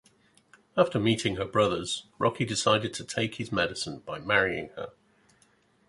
After meeting her brothers, Rocky decides to "take his medicine" by marrying her.